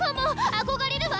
憧れるわ。